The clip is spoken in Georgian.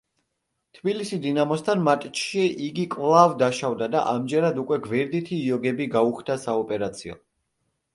თბილისი „დინამოსთან“ მატჩში იგი კვლავ დაშავდა და ამჯერად უკვე გვერდითი იოგები გაუხდა საოპერაციო.